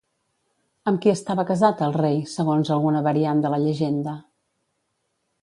Amb qui estava casat el rei, segons alguna variant de la llegenda?